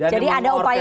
jadi ada upaya